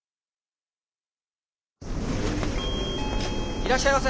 いらっしゃいませ！